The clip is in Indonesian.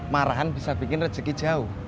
marahan bisa bikin rezeki jauh